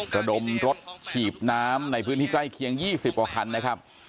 ระดมรถฉีดน้ำในพื้นที่ใกล้เคียง๒๐กว่าคันนะครับ